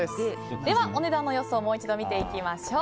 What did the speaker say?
では、お値段の予想をもう一度見ていきましょう。